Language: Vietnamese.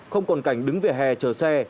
không còn cảnh đứng về hè chờ xe